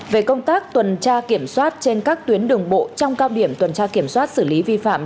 về công tác tuần tra kiểm soát trên các tuyến đường bộ trong cao điểm tuần tra kiểm soát xử lý vi phạm